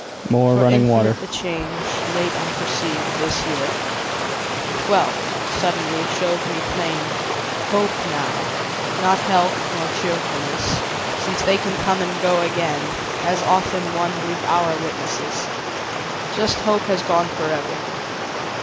For infinite The change, late unperceived, this year, The twelfth, suddenly, shows me plain. Hope now, not health nor cheerfulness, Since they can come and go again, As often one brief hour witnesses, Just hope has gone forever.